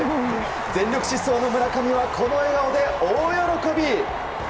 全力疾走の村上はこの笑顔で大喜び。